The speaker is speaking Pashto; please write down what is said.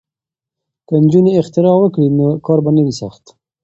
که نجونې اختراع وکړي نو کار به نه وي سخت.